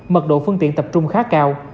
mật độ phương tiện tập trung khá cao